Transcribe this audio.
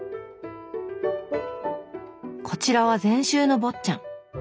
こちらは全集の「坊っちゃん」。